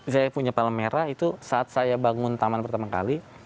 saya punya palmera itu saat saya bangun taman pertama kali